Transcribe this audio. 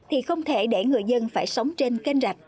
thì không thể để người dân phải sống trên kênh rạch